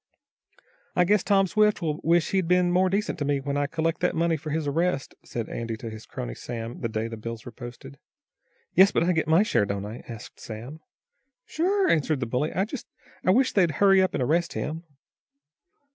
"I guess Tom Swift will wish he'd been more decent to me when I collect that money for his arrest," said Andy to his crony, Sam, the day the bills were posted. "Yes, but I get my share, don't I?" asked Sam. "Sure," answered the bully. "I wish they'd hurry up and arrest him."